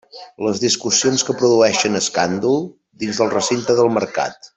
Les discussions que produeixen escàndol, dins el recinte del mercat.